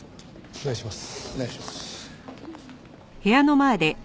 お願いします。